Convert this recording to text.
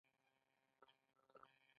د سوکالۍ تامینول اړین او مهم کار دی.